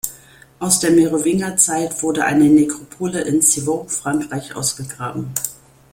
Aus der Merowingerzeit wurde eine Nekropole in Civaux, Frankreich ausgegraben.